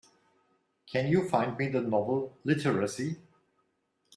Can you find me the novel, Literacy?